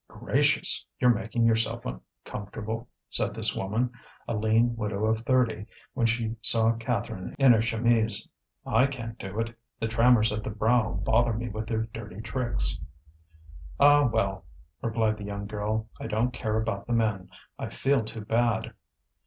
"Gracious! you're making yourself comfortable!" said this woman, a lean widow of thirty, when she saw Catherine in her chemise. "I can't do it, the trammers at the brow bother me with their dirty tricks." "Ah, well!" replied the young girl. "I don't care about the men! I feel too bad."